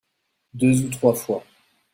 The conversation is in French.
deux ou trois fois.